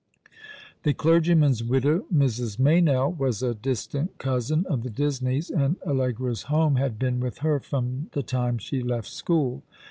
The clergyman's widow, Mrs. Meynell, was a distant cousin of the Disneys, and Allegra's home had been with her from the time she left school.